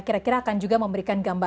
kira kira akan juga memberikan gambaran